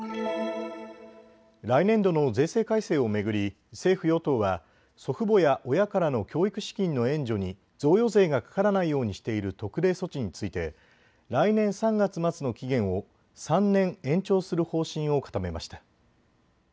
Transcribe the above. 来年度の税制改正を巡り政府与党は祖父母や親からの教育資金の援助に贈与税がかからないようにしている特例措置について来年３月末の期限を３年延長する方針を固めました。